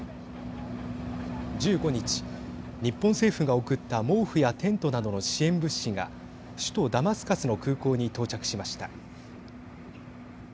１５日、日本政府が送った毛布やテントなどの支援物資が首都ダマスカスの空港に到着しました。